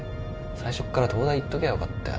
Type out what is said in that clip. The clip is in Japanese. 最初っから東大行っときゃよかったよ。